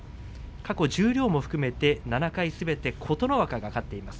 過去十両も含めて７回すべて琴ノ若が勝っています。